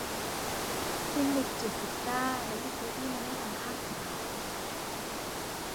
ฟิลิปจุดซิการ์แล้วหยิบเก้าอี้มานั่งตรงข้ามเขา